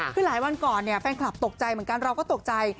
คือหลายวันก่อนเนี่ยแฟนคลับตกใจเหมือนกันเราก็ตกใจ